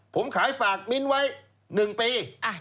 ผมขายฝากมิ้นไว้๑ปี